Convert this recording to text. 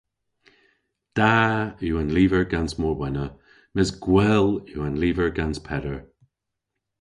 Da yw an lyver gans Morwenna mes gwell yw an lyver gans Peder.